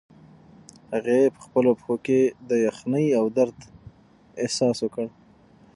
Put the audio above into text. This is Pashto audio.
هغې په خپلو پښو کې د یخنۍ او درد احساس وکړ.